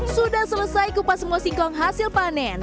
sudah selesai kupas semua singkong hasil panen